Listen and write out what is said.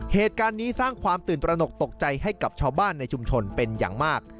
เหตุการณ์นี้สร้างความตื่นตระหนกตกใจให้กับชาวบ้านในชุมชนเป็นอย่างมาก